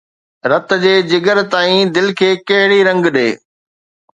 رت جي جگر تائين دل کي ڪهڙي رنگ ڏي؟